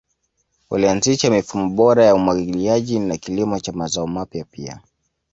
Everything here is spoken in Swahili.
Walianzisha mifumo bora ya umwagiliaji na kilimo cha mazao mapya pia.